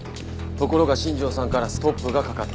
ところが新庄さんからストップがかかった。